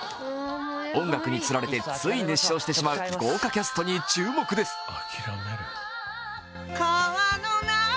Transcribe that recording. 音楽につられて、つい熱唱してしまう豪華キャストに注目です。